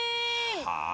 はあ？